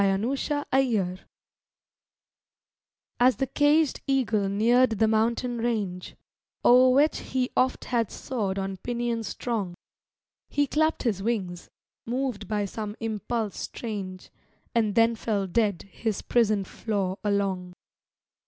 A GLIMPSE OF HEAVEN As the caged eagle neared the mountain range, O'er which he oft had soared on pinions strong, He clapped his wings, moved by some impulse strange, And then fell dead his prison floor along.